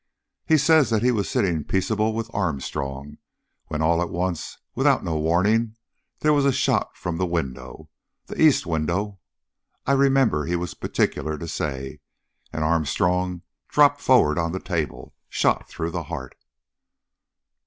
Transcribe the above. He says that he was sitting peaceable with Armstrong when all at once without no warning they was a shot from the window the east window, I remember he was particular to say and Armstrong dropped forward on the table, shot through the heart.